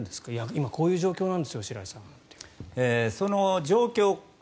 今こういう状況なんですよ白井さんっていうのは。